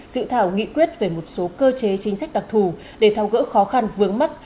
dự thảo nghị quyết về một số cơ chế chính sách đặc thù để thao gỡ khó khăn vướng mắt